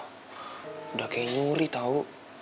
udah kayak nyuri tau